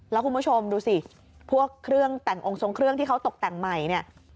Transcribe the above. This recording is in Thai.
แล้วคุณผู้ชมดูสิพวกองสงเครื่องที่เขาตกแต่งใหม่เนี่ย